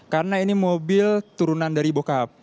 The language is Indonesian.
karena ini mobil turunan dari bokap